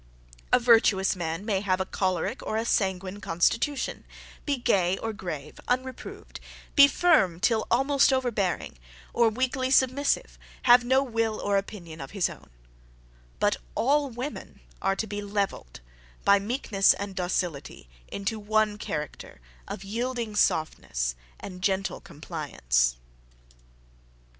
A virtuous man may have a choleric or a sanguine constitution, be gay or grave, unreproved; be firm till be is almost over bearing, or, weakly submissive, have no will or opinion of his own; but all women are to be levelled, by meekness and docility, into one character of yielding softness and gentle compliance.